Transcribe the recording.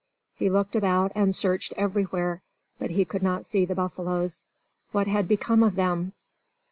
He looked about, and searched everywhere, but he could not see the buffaloes. What had become of them?